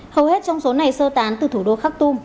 hầu hết trong số này sơ tán từ thủ đô khak tum